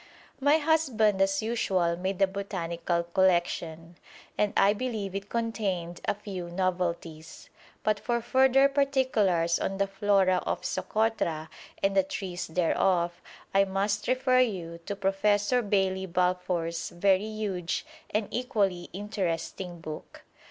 My husband as usual made a botanical collection, and I believe it contained a few novelties; but for further particulars on the flora of Sokotra and the trees thereof I must refer you to Professor Bailey Balfour's very huge and equally interesting book.